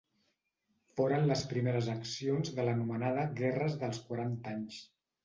Foren les primeres accions de l'anomenada guerres dels quaranta anys.